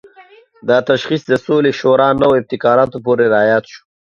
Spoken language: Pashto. دا تشخیص د سولې شورا نوو ابتکارونو پورې راياد شو.